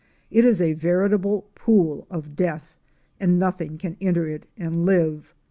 It is a veritable pool of death, and nothing can enter it and live.